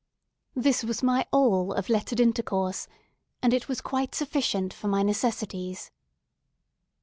This was my all of lettered intercourse; and it was quite sufficient for my necessities.